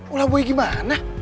ulah boy gimana